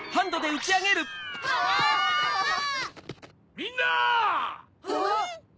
・みんな！